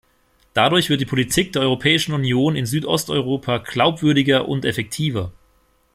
Dadurch wird die Politik der Europäischen Union in Südosteuropa glaubwürdiger und effektiver.